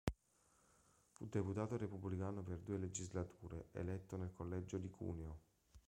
Fu deputato repubblicano per due legislature, eletto nel collegio di Cuneo.